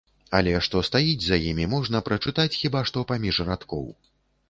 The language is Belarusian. Але што стаіць за імі, можна прачытаць хіба што паміж радкоў.